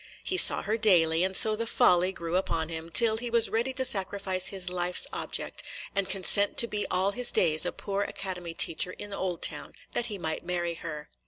He saw her daily, and so the folly grew upon him, till he was ready to sacrifice his life's object, and consent to be all his days a poor academy teacher in Oldtown, that he might marry her.